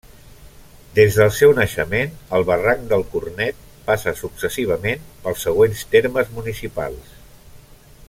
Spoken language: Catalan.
Des del seu naixement, el Barranc del Cornet passa successivament pels següents termes municipals.